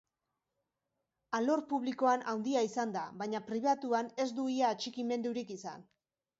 Alor publikoan handia izan da, baina pribatuan ez du ia atxikimendurik izan.